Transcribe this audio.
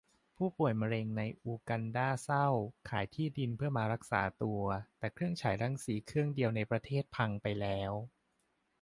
ผู้ป่วยมะเร็งในอูกันดาเศร้า ขายที่ดินเพื่อมารักษาตัว แต่เครื่องฉายรังสีเครื่องเดียวในประเทศพังไปแล้ว